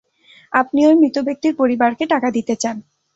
আপনি ওই মৃত ব্যক্তির পরিবারকে টাকা দিতে চান।